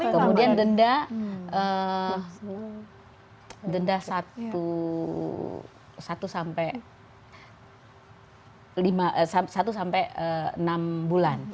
kemudian denda satu sampai enam bulan